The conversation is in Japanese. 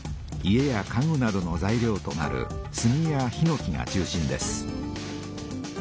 家や家具などの材料となるスギやヒノキが中心です。